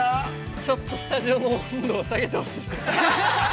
◆ちょっとスタジオの温度を下げてほしいですね。